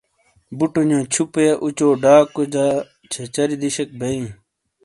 بوٹنو چھوپیا، اُچو ڈاکویا چھچھری دیشیک بےیئ۔